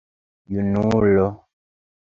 Junulo!